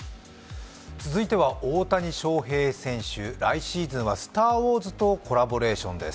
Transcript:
続いては大谷翔平選手、来シーズンは「スター・ウォーズ」とコラボレーションです。